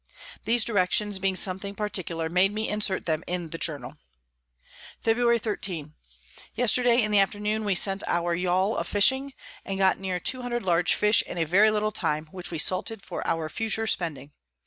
These Directions being something particular, made me insert them in the Journal. Febr. 13. Yesterday in the Afternoon we sent our Yall a fishing, and got near 200 large Fish in a very little time, which we salted for our future spending.